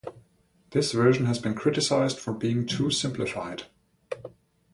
This version has been criticised for being too simplified.